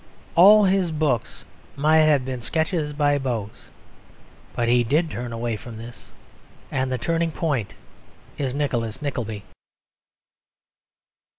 All his books might have been Sketches by Boz. But he did turn away from this, and the turning point is Nicholas Nickleby.